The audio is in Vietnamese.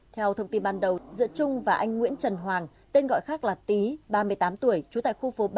theo thông tin ban đầu giữa trung và anh nguyễn trần hoàng tên gọi khác là tý ba mươi tám tuổi trú tại khu phố ba